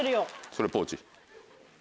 それポーチ。